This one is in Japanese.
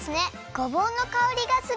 ごぼうのかおりがする！